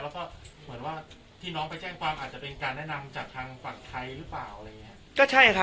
แล้วก็เหมือนว่าที่น้องไปแจ้งความอาจจะเป็นการแนะนำจากทางฝั่งไทยหรือเปล่าอะไรอย่างนี้